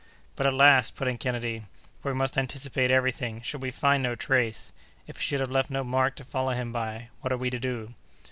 "But, at last," put in Kennedy—"for we must anticipate every thing—should we find no trace—if he should have left no mark to follow him by, what are we to do?"